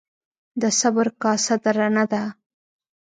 ـ د صبر کاسه درنه ده.